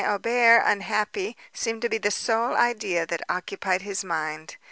Aubert unhappy, seemed to be the sole idea that occupied his mind.